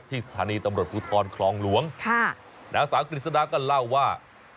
ที่สถานีตำรวจภูทรคลองหลวงนักศาลกฤษฎาก็เล่าว่า